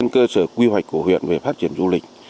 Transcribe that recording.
cơ sở quy hoạch của huyện về phát triển du lịch